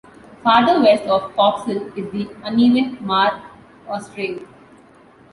Farther west of Pogson is the uneven Mare Australe.